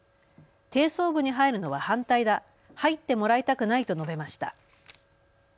低層部に入るのは反対だ、入ってもらいたくないと述べました。